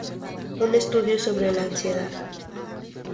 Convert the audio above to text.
Un estudio sobre la ansiedad".